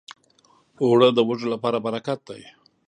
اوړه د وږو لپاره برکت دی